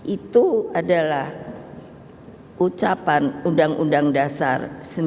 itu adalah ucapan undang undang dasar seribu sembilan ratus empat puluh lima